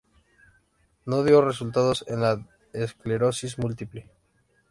No dio resultados en la esclerosis múltiple.